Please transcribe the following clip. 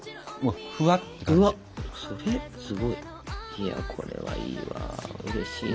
いやこれはいいわうれしいな。